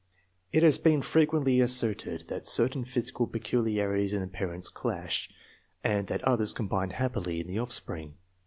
It has been frequently asserted that certain physical peculiarities in the parents clash, and that others combine happily in the oflfepring.